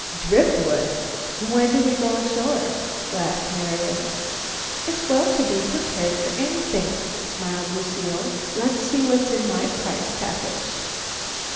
"Driftwood? When do we go ashore?" laughed Marian. "It's well to be prepared for anything," smiled Lucile. "Let's see what's in my prize package."